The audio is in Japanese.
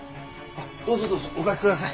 どうぞどうぞおかけください。